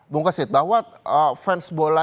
bung kesit bahwa fans bola